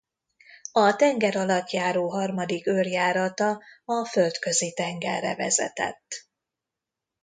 A tengeralattjáró harmadik őrjárata a Földközi-tengerre vezetett.